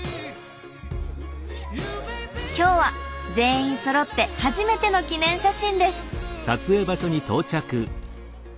今日は全員そろって初めての記念写真です。